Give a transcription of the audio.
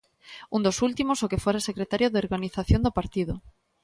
Un dos últimos, o que fora secretario de Organización do partido.